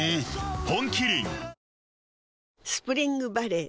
本麒麟スプリングバレー